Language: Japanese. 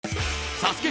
ＳＡＳＵＫＥ